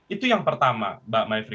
itu yang pertama mbak maifri